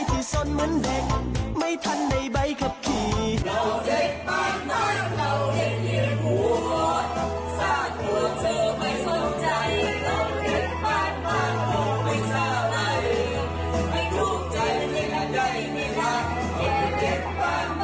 ก็คือร้องโจ๊กคุณผู้ชมมาประวัตินี้ตลอดทั้งวัน